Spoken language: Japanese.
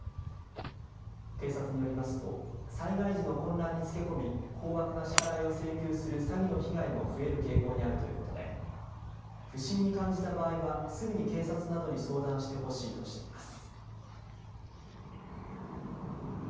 警察によりますと災害時の混乱につけ込み高額な支払いを請求する詐欺の被害も増える傾向にあるということで不審に感じた場合はすぐに警察などに相談してほしいとしています。